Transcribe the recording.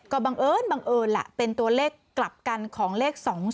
ก็บังเอิญเป็นตัวเลขกลับกันของเลข๒๐